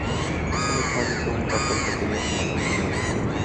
Ese mismo año tuvo un papel pequeño como la Sra.